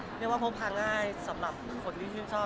เรียกว่าพกพาง่ายสำหรับคนที่ชื่นชอบ